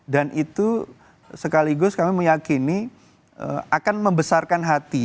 dan itu sekaligus kami meyakini akan membesarkan hati